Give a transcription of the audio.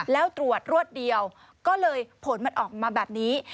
แล้วตรวจรวดเดียวก็เลยผลมันออกมาแบบนี้